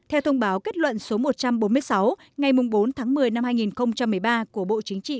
theo thông báo kết luận số một trăm bốn mươi sáu ngày bốn tháng một mươi năm hai nghìn một mươi ba của bộ chính trị